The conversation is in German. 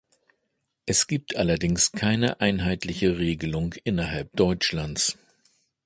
Es gibt allerdings keine einheitliche Regelung innerhalb Deutschlands.